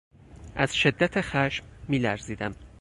از شدت خشم میلرزیدم.